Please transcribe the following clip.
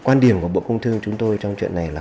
quan điểm của bộ công thương chúng tôi trong chuyện này là